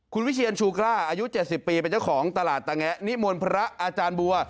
คุณวิเชียนชูกล้าอายุ๗๐ปีเป็นเจ้าของตลาดตะแงะนิมนต์พระอาจารย์บัว